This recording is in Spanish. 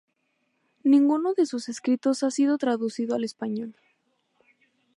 Ninguno de sus escritos ha sido traducido al español.